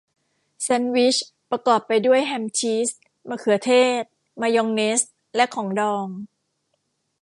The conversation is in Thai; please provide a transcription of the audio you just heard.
แซนด์วิชประกอบไปด้วยแฮมชีสมะเขือเทศมายองเนสและของดอง